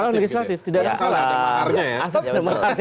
calon legislatif tidak ada salah